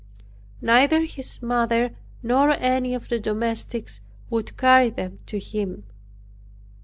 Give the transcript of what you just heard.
Neither his mother nor any of the domestics would carry them to him.